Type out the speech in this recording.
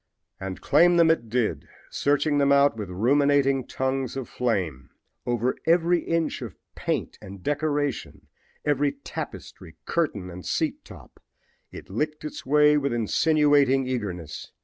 And claim them it did, searching them out with ruminating tongues of flame. Over every inch of paint and decoration, every tapestry, curtain and seat top it licked its way with insinuating eagerness.